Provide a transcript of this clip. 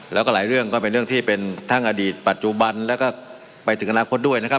แล้วก็หลายเรื่องก็เป็นเรื่องที่เป็นทั้งอดีตปัจจุบันแล้วก็ไปถึงอนาคตด้วยนะครับ